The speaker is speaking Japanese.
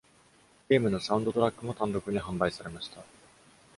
ゲームのサウンドトラックも単独に販売されました。